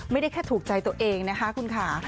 ไม่ได้แค่ถูกใจตัวเองนะคะคุณค่ะ